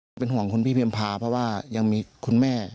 เป็นห่วงของคุณพี่พี่อำภาเพราะว่ายังมีคุณแม่